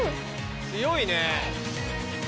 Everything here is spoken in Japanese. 強いね。